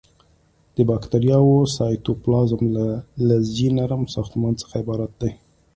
د باکتریاوو سایتوپلازم له لزجي نرم ساختمان څخه عبارت دی.